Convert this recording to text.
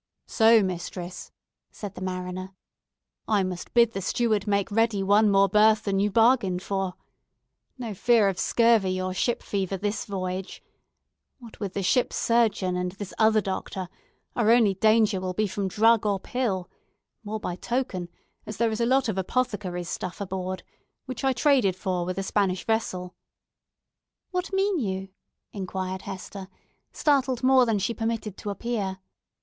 "So, mistress," said the mariner, "I must bid the steward make ready one more berth than you bargained for! No fear of scurvy or ship fever this voyage. What with the ship's surgeon and this other doctor, our only danger will be from drug or pill; more by token, as there is a lot of apothecary's stuff aboard, which I traded for with a Spanish vessel." "What mean you?" inquired Hester, startled more than she permitted to appear.